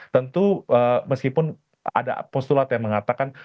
tentu meskipun ada posulat yang mengatakan